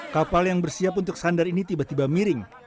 kapal yang bersiap untuk sandar ini tiba tiba miring